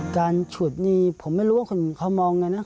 ฉุดนี่ผมไม่รู้ว่าคนเขามองไงนะ